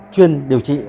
chuyên điều trị